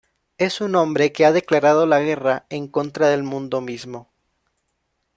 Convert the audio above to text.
Es un hombre que ha declarado la guerra en contra del mundo mismo.